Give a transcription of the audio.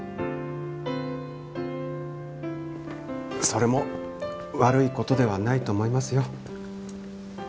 それも悪いことではないと思いますよ。